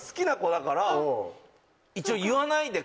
一応。